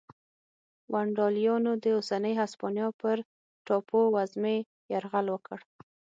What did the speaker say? ونډالیانو د اوسنۍ هسپانیا پر ټاپو وزمې یرغل وکړ